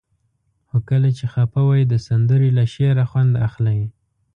خو کله چې خفه وئ د سندرې له شعره خوند اخلئ.